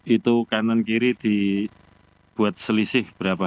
itu kanan kiri dibuat selisih berapa